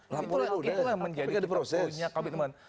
itu lah yang menjadi kita punya komitmen